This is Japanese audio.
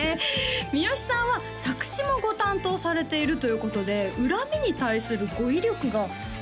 美良さんは作詞もご担当されているということで怨みに対する語彙力がありますよね